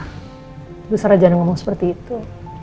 tentu sarah jangan ngomong seperti itu